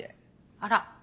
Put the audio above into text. あら。